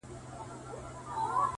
د فکرونه ټوله مزخرف دي